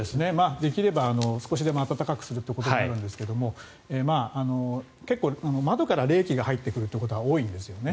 できれば少しでも暖かくするということになるんですが結構、窓から冷気が入ってくるということは多いんですよね。